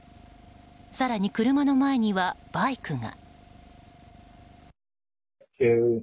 更に車の前にはバイクが。